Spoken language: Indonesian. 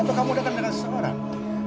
atau kamu dekat dengan seseorang